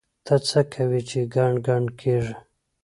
ته څه کوې چې ګڼ ګڼ کېږې؟!